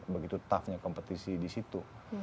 begitu toughnya kompetisi disitu